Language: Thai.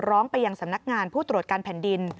ร้องไปยังสำนักงานผู้ตรวจการแผ่นดิน